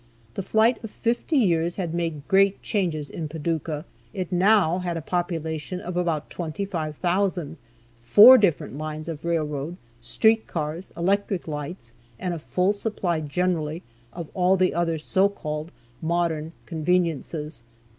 The flight of fifty years had made great changes in Paducah. It now had a population of about twenty five thousand, four different lines of railroad, street cars, electric lights, and a full supply generally of all the other so called "modern conveniences."